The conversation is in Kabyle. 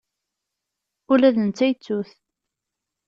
Ula d netta yettu-t.